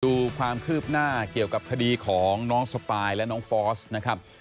ดูความคืบหน้าเกี่ยวกับคดีของน้องสปายและน้องฟอสนะครับ